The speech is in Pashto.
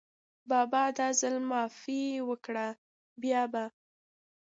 بابا دا ځل معافي وکړه، بیا به …